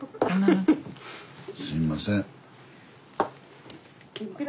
すいません。